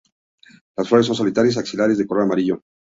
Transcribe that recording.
Las flores son solitarias, axilares, de color amarillo.